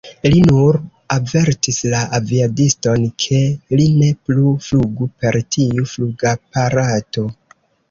Ili nur avertis la aviadiston, ke li ne plu flugu per tiu flugaparato.